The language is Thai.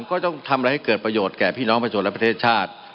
ก็ต้องทำอะไรให้เกิดประโยชน์แก่พี่น้องประชาชนและประเทศชาติ